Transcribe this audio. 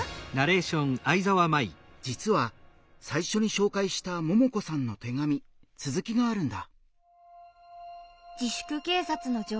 じつは最初に紹介したももこさんの手紙続きがあるんだ。